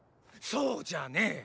そうじゃねェ。